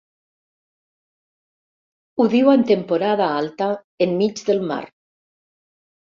Ho diu en temporada alta, enmig del mar.